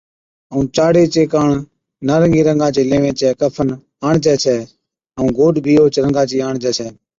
ائُون چاڙي چي ڪاڻ نارنگِي رنگا چي ليوي چَي کفن آڻجَي ڇَي، ائُون گوڏ بِي اوھچ رنگا چِي آڻجَي ڇَي